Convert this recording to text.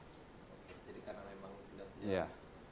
jadi karena memang tidak